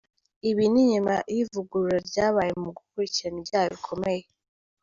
Ibi ni nyuma y’ivugurura ryabaye mu gukurikirana ibyaha bikomeye.